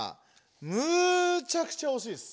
むちゃくちゃおしいです。